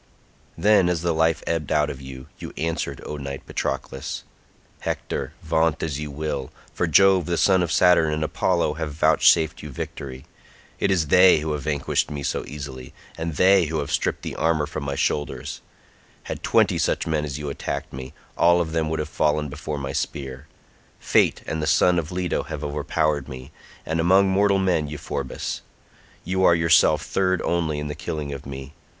Then, as the life ebbed out of you, you answered, O knight Patroclus: "Hector, vaunt as you will, for Jove the son of Saturn and Apollo have vouchsafed you victory; it is they who have vanquished me so easily, and they who have stripped the armour from my shoulders; had twenty such men as you attacked me, all of them would have fallen before my spear. Fate and the son of Leto have overpowered me, and among mortal men Euphorbus; you are yourself third only in the killing of me.